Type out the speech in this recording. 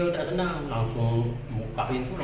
lalu lari ke tonggak penambahan kereta